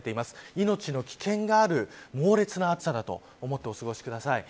命の危険がある猛烈な暑さだと思ってお過ごしください。